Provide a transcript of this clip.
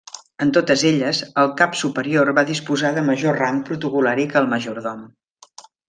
En totes elles, el Cap Superior va disposar de major rang protocol·lari que el Majordom.